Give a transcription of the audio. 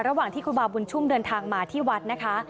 ระหว่างที่ครูบาบุญชุ่มเดินทางมาที่วัดนะคะ